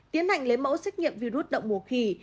tiến hành lấy mẫu xét nghiệm virus động mùa khỉ